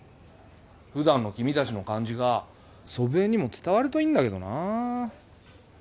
普段の君達の感じが祖父江にも伝わるといいんだけどなあ